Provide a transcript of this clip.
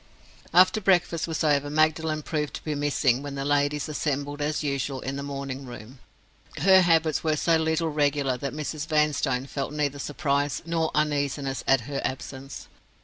After breakfast was over Magdalen proved to be missing, when the ladies assembled as usual in the morning room. Her habits were so little regular that Mrs. Vanstone felt neither surprise nor uneasiness at her absence.